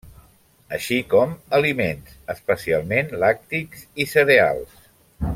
Així com aliments, especialment làctics i cereals.